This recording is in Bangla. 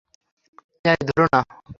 অ্যাই ধোরো না!